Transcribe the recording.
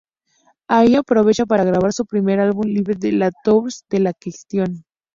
Allí aprovecha para grabar su primer álbum live: "Le Tour de la question.